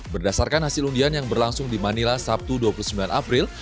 berdasarkan hasil undian yang berlangsung di manila sabtu dua puluh sembilan april